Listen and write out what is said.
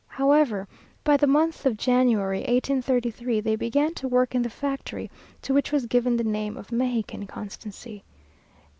However, by the month of January, 1833, they began to work in the factory, to which was given the name of "Mexican Constancy."